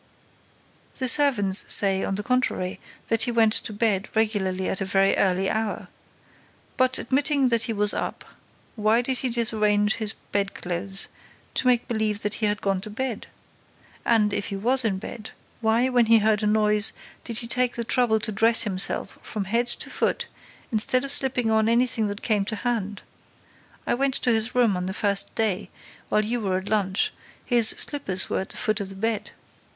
"The servants say, on the contrary, that he went to bed regularly at a very early hour. But, admitting that he was up, why did he disarrange his bedclothes, to make believe that he had gone to bed? And, if he was in bed, why, when he heard a noise, did he take the trouble to dress himself from head to foot, instead of slipping on anything that came to hand? I went to his room on the first day, while you were at lunch: his slippers were at the foot of the bed.